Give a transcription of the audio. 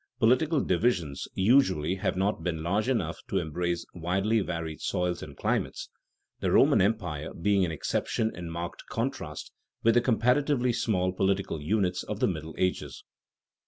Political divisions usually have not been large enough to embrace widely varied soils and climates, the Roman Empire being an exception in marked contrast with the comparatively small political units of the Middle Ages.